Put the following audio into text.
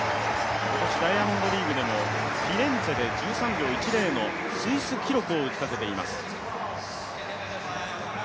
今年、ダイヤモンドリーグでもフィレンツェで１３秒１０のスイス記録を打ち立ています。